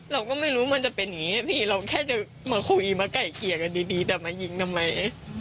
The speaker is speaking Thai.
เราก็ไม่รู้มันจะเป็นอย่างนี้พี่เราแค่จะมาคุยมาไก่เกลี่ยกันดีแต่มายิงทำไม